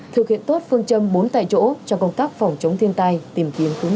thực hiện tốt phương châm bốn tại chỗ cho công tác phòng chống thiên tai tìm kiếm cứu nạn